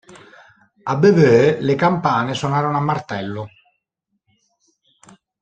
A Beauvais, le campane suonarono a martello.